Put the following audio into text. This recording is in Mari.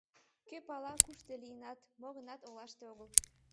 Кӧ пала, кушто лийынат, мо-гынат, олаште огыл.